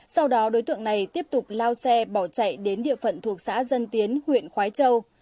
sau đó đối tượng này tiếp tục lao xe bỏ chạy đến địa phận thuộc xã dân tiến huyện khói châu